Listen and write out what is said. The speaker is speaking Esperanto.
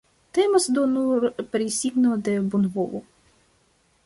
Temas do nur pri signo de bonvolo.